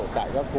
tại các khu